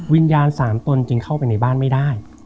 วิญญาณ๓ตนจึงเข้าไปในบ้านไม่ได้